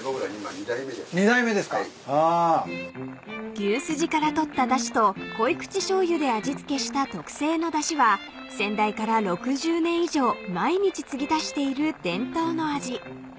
［牛すじからとっただしと濃い口しょうゆで味付けした特製のだしは先代から６０年以上毎日継ぎ足している伝統の味］